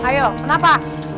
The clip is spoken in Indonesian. nah ayok kenapa